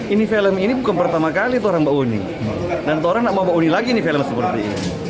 ini film ini bukan pertama kali tuhan mbak uni dan tuhan mbak uni lagi ini film seperti ini